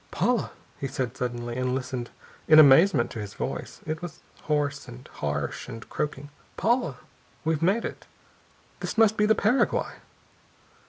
"Paula," he said suddenly, and listened in amazement to his voice. It was hoarse and harsh and croaking. "Paula, we've made it. This must be the Paraguay."